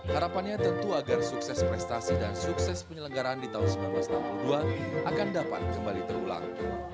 harapannya tentu agar sukses prestasi dan sukses penyelenggaraan di tahun seribu sembilan ratus enam puluh dua akan dapat kembali terulang